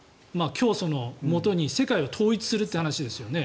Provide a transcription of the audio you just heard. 教祖のもとに世界を統一するという話ですよね